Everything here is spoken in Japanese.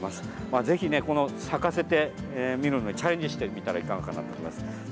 まあ、ぜひねこの咲かせてみるのをチャレンジしてみたらいかがかなと思います。